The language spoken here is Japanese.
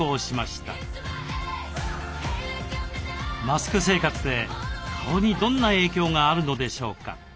マスク生活で顔にどんな影響があるのでしょうか？